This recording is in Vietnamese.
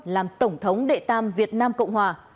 làm tổng thống đệ tam việt nam cộng hòa